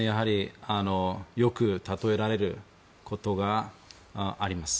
よく例えられることがあります。